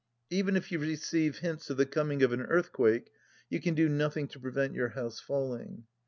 Even if you receive hints of the coming of an earthquake, you can do nothing to prevent your house falling